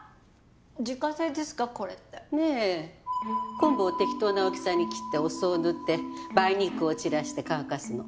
昆布を適当な大きさに切ってお酢を塗って梅肉を散らして乾かすの。